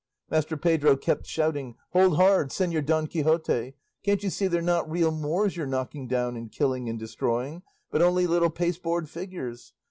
Master Pedro kept shouting, "Hold hard! Señor Don Quixote! can't you see they're not real Moors you're knocking down and killing and destroying, but only little pasteboard figures!